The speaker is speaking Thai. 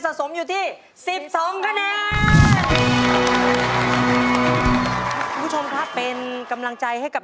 ที่ทีมนั้นจะเป็นฝ่ายชนะนะครับ